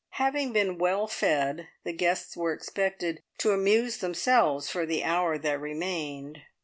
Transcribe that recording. Having been well fed, the guests were expected to amuse themselves for the hour that remained.